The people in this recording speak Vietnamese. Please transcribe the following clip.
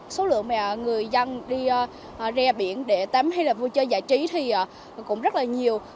số lượng người dân đi ra biển để tắm hay là vui chơi giải trí thì cũng rất là nhiều